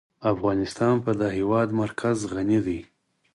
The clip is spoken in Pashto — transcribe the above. افغانستان په د هېواد مرکز غني دی.